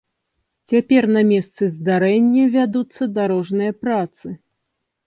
Цяпер на месцы здарэння вядуцца дарожныя працы.